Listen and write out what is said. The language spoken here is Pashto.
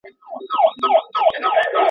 تاسو باید د پښتنو د کلتور په وده کي برخه واخلئ.